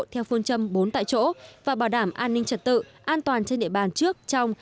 theo phương châm bốn tại chỗ và bảo đảm an ninh trật tự an toàn trên địa bàn trước trong